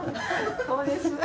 そうです。